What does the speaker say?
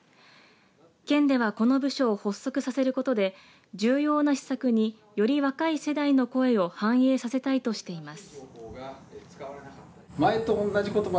県ではこの部署を発足させることで重要な施策により若い世代の声を反映させたいとしています。